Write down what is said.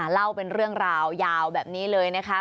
เล่าเป็นเรื่องราวยาวแบบนี้เลยนะคะ